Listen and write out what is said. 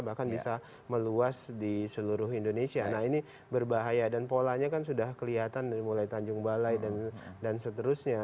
bahkan bisa meluas di seluruh indonesia nah ini berbahaya dan polanya kan sudah kelihatan mulai tanjung balai dan seterusnya